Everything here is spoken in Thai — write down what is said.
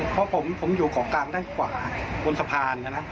เพราะผมอยู่ของกลางด้านขวาบนสะพานนะนะ